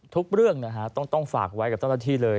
ทุกเรื่องนะฮะต้องฝากไว้กับเจ้าหน้าที่เลย